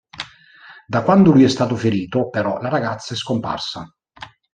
Da quando lui è stato ferito, però, la ragazza è scomparsa.